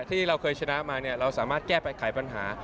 ที่เราเคยชนะมาเนี่ยเราสามารถแก้ไขปัญหา